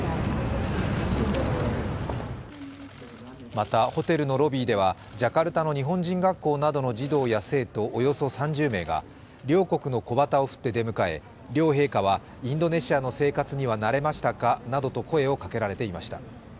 また、ホテルのロビーではジャカルタの日本人学校などの児童や生徒およそ３０名が両国の小旗を振って出迎え両陛下は、インドネシアの生活には慣れましたかなどと声をかけられていました。